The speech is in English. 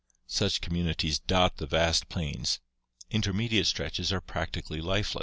Such communities dot the vast plains, intermediate stretches are practically lifeless."